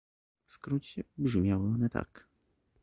W skrócie brzmiały one tak